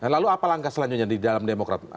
lalu apa langkah selanjutnya di dalam demokrat